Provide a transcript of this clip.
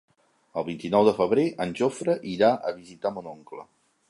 El vint-i-nou de febrer en Jofre irà a visitar mon oncle.